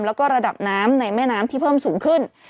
แล้วก็ระดับน้ำในแม่น้ำที่เพิ่มสูงขึ้น